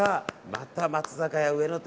やったー、松坂屋上野店。